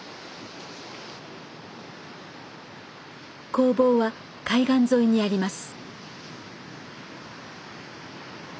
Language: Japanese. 工房は海岸沿いにあります。